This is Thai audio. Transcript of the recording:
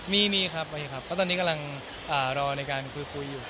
มีมีครับมีครับก็ตอนนี้กำลังรอในการคุยอยู่